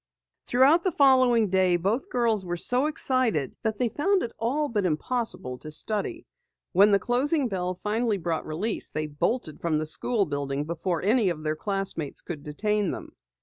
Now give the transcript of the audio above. Throughout the following day, both girls were so excited that they found it all but impossible to study. When the closing bell finally brought release, they bolted from the school building before any of their classmates could detain them.